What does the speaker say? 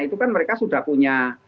itu kan mereka sudah punya